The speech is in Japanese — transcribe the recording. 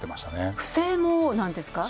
不正もなんですか。